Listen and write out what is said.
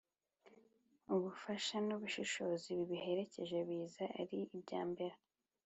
Ubushake n’ubushishozi bibiherekeje biza ari ibyambere